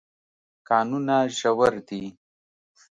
کانونه ژور دي.